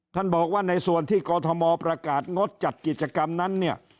ท่านบอกว่าในส่วนที่กรทมประกาศงดจัดกิจกรรมนั้นเนี่ย